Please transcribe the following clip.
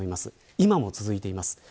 今も続いています。